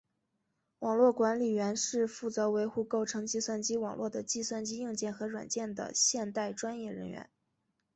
网络管理员是负责维护构成计算机网络的计算机硬件和软件的现代专业人员。